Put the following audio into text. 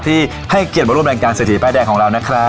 ที่ให้เกียรติมาร่วมแรงการสถิติป้ายแดงของเรานะครับ